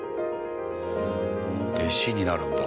弟子になるんだ。